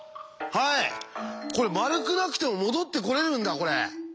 これ丸くなくても戻ってこれるんだこれ！